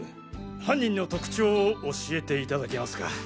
犯人の特徴を教えていただけますか？